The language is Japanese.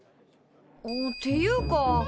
っていうか。